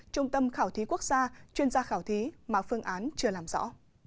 trong khảo thí quốc gia chuyên gia khảo thí mà phương án chưa làm rõ